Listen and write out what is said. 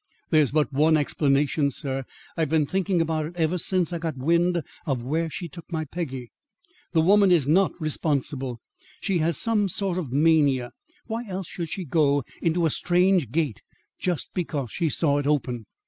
"There's but one explanation, sir. I've been thinking about it ever since I got wind of where she took my Peggy. The woman is not responsible. She has some sort of mania. Why else should she go into a strange gate just because she saw it open?"